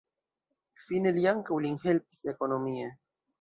Fine li ankaŭ lin helpis ekonomie.